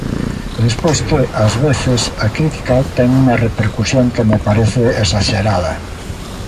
E despois que, ás veces, a crítica ten unha repercusión que me parece exaxerada.